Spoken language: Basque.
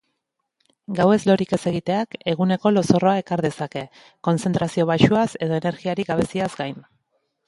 Gauez lorik ez egiteak eguneko lozorroa ekar dezake, kontzentrazio baxuaz edo energiarik gabeziaz gain.